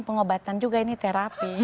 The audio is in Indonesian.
pengobatan juga ini terapi